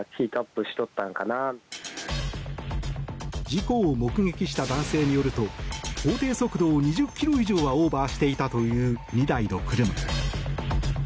事故を目撃した男性によると法定速度を２０キロ以上はオーバーしていたという２台の車。